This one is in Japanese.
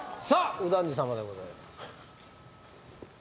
右團次様でございます